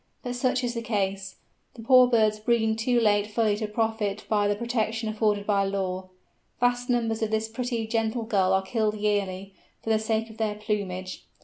But such is the case; the poor birds breeding too late fully to profit by the protection afforded by law. Vast numbers of this pretty gentle Gull are killed yearly, for the sake of their plumage.